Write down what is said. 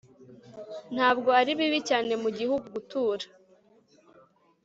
Ntabwo ari bibi cyane mu gihugu gutura